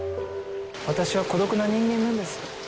私は孤独な人間なんです。